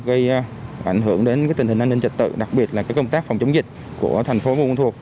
gây ảnh hưởng đến tình hình an ninh trật tự đặc biệt là công tác phòng chống dịch của thành phố buôn quân thuộc